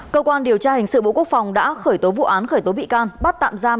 cơ quan điều tra hình sự bộ quốc phòng đã khởi tố vụ án khởi tố bị can bắt tạm giam